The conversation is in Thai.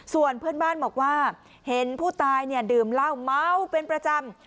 ส่วนเพื่อนบ้านบอกว่าเห็นผู้ตายเนี่ยดื่มเหล้าเมาเป็นประจำ